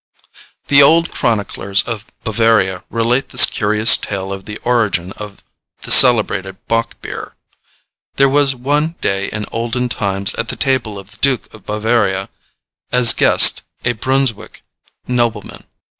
The old chroniclers of Bavaria relate this curious tale of the origin of the celebrated bock beer. There was one day in olden times at the table of the Duke of Bavaria, as guest, a Brunswick nobleman.